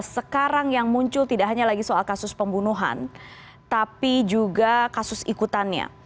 sekarang yang muncul tidak hanya lagi soal kasus pembunuhan tapi juga kasus ikutannya